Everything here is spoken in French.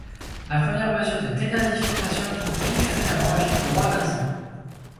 La première mesure de dénazification qu'il prit fut d'abroger le droit nazi.